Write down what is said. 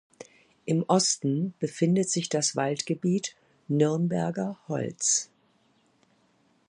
Im Osten befindet sich das Waldgebiet "Nürnberger Holz".